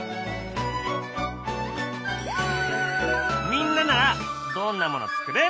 みんなならどんなもの作る？